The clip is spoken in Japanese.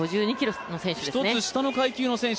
１つ下の階級の選手。